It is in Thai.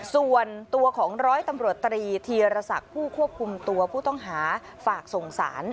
ส่วนตัวของร้อยตำรวจตรีธีรศักดิ์ผู้ควบคุมตัวผู้ต้องหาฝากส่งสาร